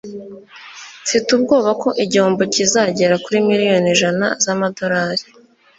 Mfite ubwoba ko igihombo kizagera kuri miliyoni ijana z'amadolari